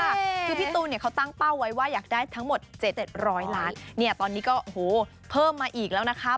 คือพี่ตูนเขาตั้งเป้าไว้ว่าอยากได้ทั้งหมด๗๐๐ล้านตอนนี้ก็เพิ่มมาอีกแล้วนะคะ